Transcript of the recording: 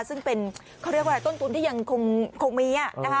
ซึ่งเป็นต้นทุนที่ยังคงมี